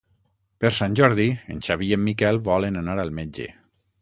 Per Sant Jordi en Xavi i en Miquel volen anar al metge.